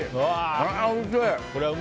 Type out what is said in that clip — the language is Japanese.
ああ、おいしい！